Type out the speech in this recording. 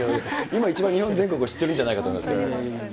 今一番日本全国を知ってるんじゃないかなと思いますね。